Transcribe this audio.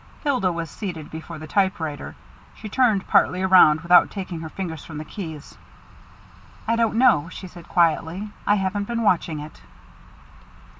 Hilda was seated before the typewriter. She turned partly around, without taking her fingers from the keys. "I don't know," she said quietly. "I haven't been watching it."